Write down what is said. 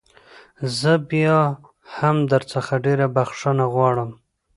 زه بيا هم درڅخه ډېره بخښنه غواړم.